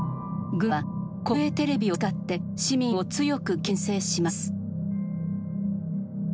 軍は国営テレビを使って市民を強くけん制します。